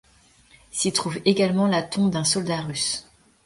S'y trouve également la tombe d'un soldat russe.